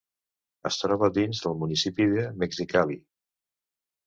Es troba dins del municipi de Mexicali.